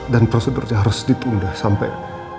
prosedurnya harus ditunda sampai